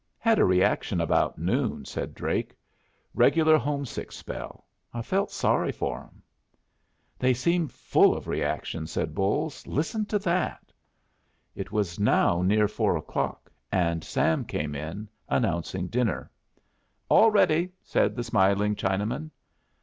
"Had a reaction about noon," said Drake. "Regular home sick spell. I felt sorry for 'em." "They seem full of reaction," said Bolles. "Listen to that!" It was now near four o'clock, and Sam came in, announcing dinner. "All ready," said the smiling Chinaman.